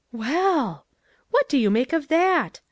"Well!" " What do you make of that?